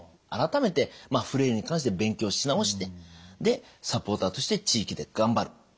改めてフレイルに関して勉強し直してでサポーターとして地域で頑張る。